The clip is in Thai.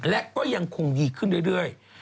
และก็ยังคงดีขึ้นเรื่อย